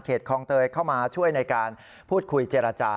คลองเตยเข้ามาช่วยในการพูดคุยเจรจา